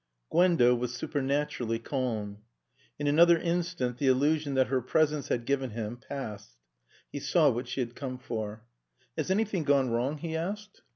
Gwenda was supernaturally calm. In another instant the illusion that her presence had given him passed. He saw what she had come for. "Has anything gone wrong?" he asked.